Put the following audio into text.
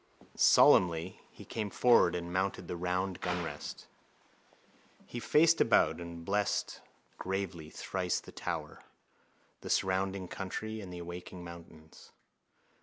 Solemnly he came forward and mounted the round gunrest. He faced about and blessed gravely thrice the tower, the surrounding land and the awaking mountains.